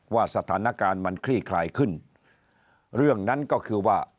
ว่าสถานการณ์มันคลี่คลายขึ้นเรื่องนั้นก็คือว่า